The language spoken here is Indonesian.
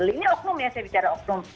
ini oknum ya saya bicara oknum